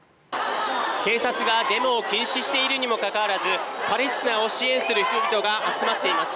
警察がデモを禁止しているにもかかわらずパレスチナを支援する人々が集まっています。